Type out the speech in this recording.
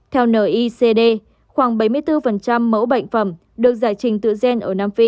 theo nicd khoảng bảy mươi bốn mẫu bệnh phẩm được giải trình tự gen ở nam phi